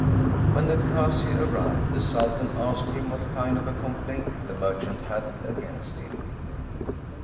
When the Kazi arrived, the Sultan asked him what kind of a complaint the merchant had against him.